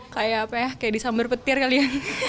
kayak apa ya kayak di sambal petir kali ya